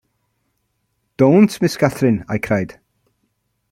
Don’t, Miss Catherine!’ I cried.